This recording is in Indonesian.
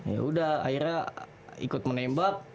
ya udah akhirnya ikut menembak